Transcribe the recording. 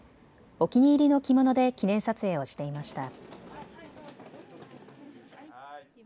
お気に入りの着物で記念撮影をしていました。